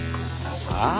ああ？